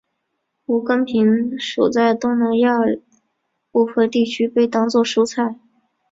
无根萍属在东南亚部份地区被当作蔬菜。